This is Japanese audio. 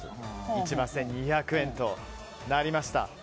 １万１２００円となりました。